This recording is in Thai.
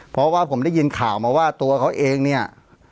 เพราะว่าผมได้ยินข่าวมาว่าตัวเขาเองเนี่ย